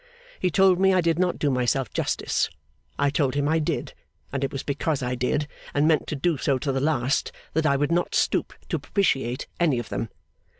He told me I did not do myself justice. I told him I did, and it was because I did and meant to do so to the last, that I would not stoop to propitiate any of them.